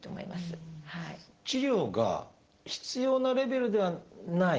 治療が必要なレベルではないと。